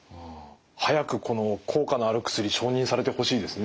早くこの効果のある薬承認されてほしいですね。